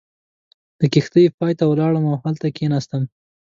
د کښتۍ پای ته ولاړم او هلته کېناستم.